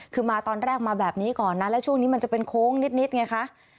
คือมาตอนแรกมาแบบนี้ก่อนนะแล้วช่วงนี้มันจะเป็นโค้งนิดไงคะ